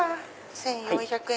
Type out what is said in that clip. １４００円